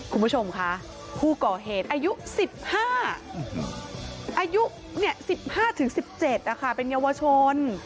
คุณผู้ชมค่ะผู้ก่อเหตุอายุ๑๕อายุ๑๕๑๗เป็นเยาวชน